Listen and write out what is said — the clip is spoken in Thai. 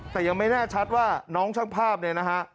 แต่ยังไม่แน่ชัดว่าน้องช่างภาพเนี่ยนะฮะ